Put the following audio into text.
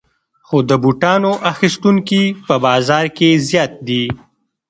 خو د بوټانو اخیستونکي په بازار کې زیات دي